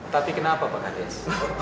tapi kenapa pak kades